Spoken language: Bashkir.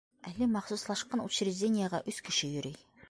Әле махсуслашҡан учреждениеға өс кеше йөрөй.